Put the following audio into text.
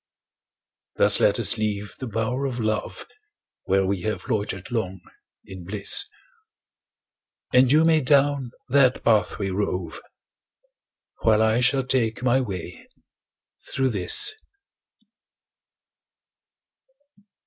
Thus let us leave the bower of love, Where we have loitered long in bliss; And you may down that pathway rove, While I shall take my way through this.